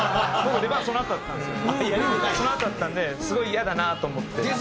そのあとだったんですごいイヤだなと思って。